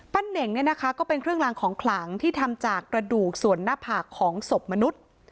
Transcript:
ปั้นเหน่งก็เป็นเครื่องรางของคลังที่ทำจากระดูกส่วนหน้าผากของศพมนุษย์